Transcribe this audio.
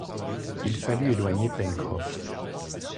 Il fallut éloigner Pencroff.